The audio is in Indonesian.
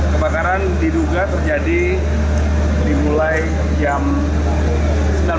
kebakaran diduga terjadi dimulai jam sembilan belas tiga puluh